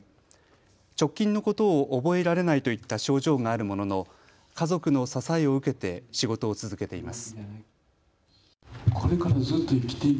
直近のことを覚えられないといった症状があるものの家族の支えを受けて仕事を続けています。